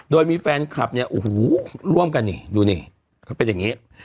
โดยมีแฟนคลับเนี่ยโอ้โหร่วมกันนี่ดูนี่เขาเป็นอย่างนี้